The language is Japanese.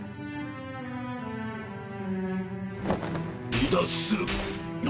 離脱する。